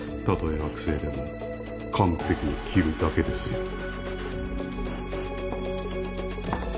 たとえ悪性でも完璧に切るだけですよ。